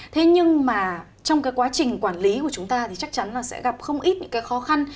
thế nhưng mà trong cái quá trình quản lý của chúng ta thì chắc chắn là sẽ gặp không ít những cái khó khăn